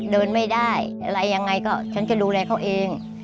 เดินไม่ได้อะไรยังไงก็ฉันจะดูแลเขาเอง